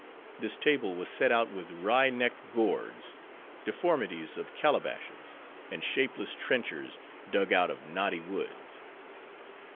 This table was set out with wry necked gourds; deformities of calabashes; and shapeless trenchers, dug out of knotty woods.